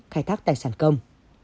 khai thác tài sản công